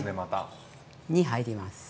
２入れます。